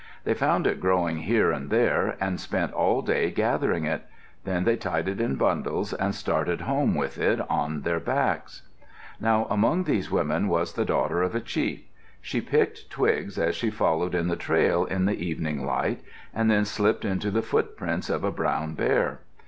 They found it growing here and there, and spent all day gathering it. Then they tied it in bundles and started home with it on their backs. Now among these women was the daughter of a chief. She picked twigs as she followed in the trail in the evening light, and then slipped into the footprints of a brown bear.